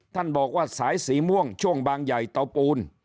ท่านบอกว่าสายสีม่วงช่วงบางใหญ่เตาปูน